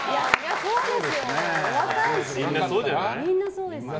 そうですね。